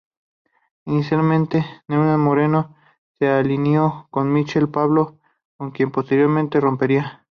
Inicialmente Nahuel Moreno se alineó con Michel Pablo, con quien posteriormente rompería.